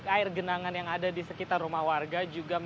air genangan yang ada di sekitar rumah warga